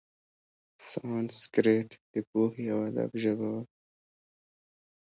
سانسکریت د پوهې او ادب ژبه وه.